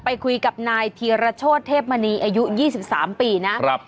ไปคุยกับนายธีราโชทเทพมณีอายุยี่สิบสามปีนะครับ